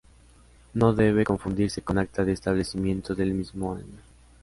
No debe confundirse con Acta de Establecimiento del mismo año.